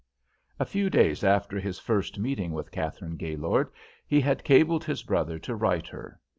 A few days after his first meeting with Katharine Gaylord, he had cabled his brother to write her.